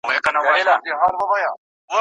پر كورونو د بلا، ساه ده ختلې